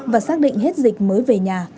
và xác định hết dịch mới về nhà